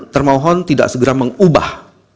termohon tidak segera mengubah